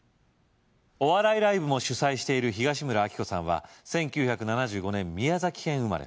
お笑いライブも主催している東村アキコさんは１９７５年宮崎県生まれ